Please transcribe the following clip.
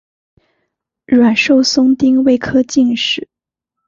阮寿松丁未科进士。